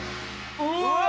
うわ！